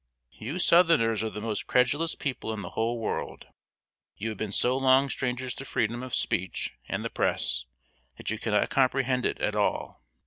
"You southerners are the most credulous people in the whole world. You have been so long strangers to freedom of speech and the press, that you cannot comprehend it at all.